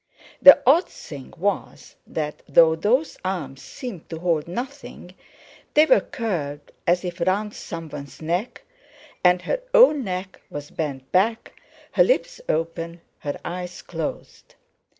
The odd thing was that, though those arms seemed to hold nothing, they were curved as if round someone's neck, and her own neck was bent back, her lips open, her eyes closed.